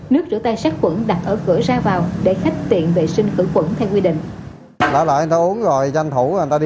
nước rửa tay sát quẩn đặt ở cửa ra vào để khách tiện vệ sinh khử khuẩn theo quy định